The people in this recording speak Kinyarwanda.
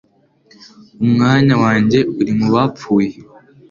Umwanya wanjye uri mu bapfuye